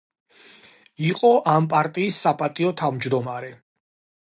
იყო ამ პარტიის საპატიო თავმჯდომარე.